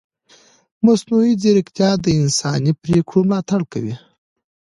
مصنوعي ځیرکتیا د انساني پرېکړو ملاتړ کوي.